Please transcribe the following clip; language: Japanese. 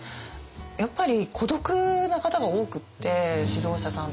やっぱり孤独な方が多くって指導者さんとかリーダーって。